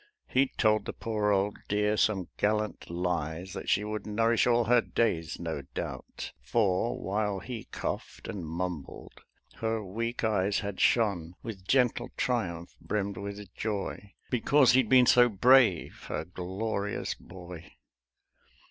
He'd told the poor old dear some gallant lies That she would nourish all her days, no doubt. For while he coughed and mumbled, her weak eyes Had shone with gentle triumph, brimmed with joy, Because he'd been so brave, her glorious boy.